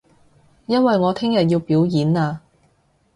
因為我聽日要表演啊